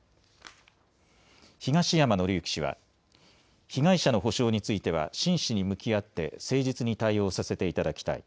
東山紀之氏は、被害者の補償については真摯に向き合って誠実に対応させていただきたい。